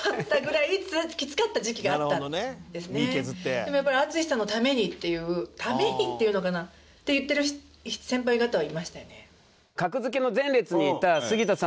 でもやっぱり淳さんのためにっていう「ために」っていうのかな？って言ってる先輩方はいましたね。